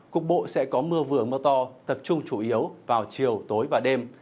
cục bộ sẽ có mưa vừa mưa to tập trung chủ yếu vào chiều tối và đêm